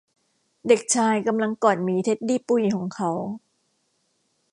เด็กชายกำลังกอดหมีเท็ดดี้ปุยของเขา